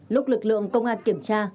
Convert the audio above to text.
lúc lực lượng công an kiểm tra